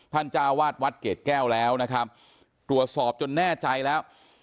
จ้าวาดวัดเกรดแก้วแล้วนะครับตรวจสอบจนแน่ใจแล้ว